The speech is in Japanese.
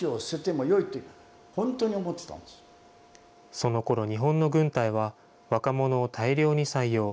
そのころ、日本の軍隊は若者を大量に採用。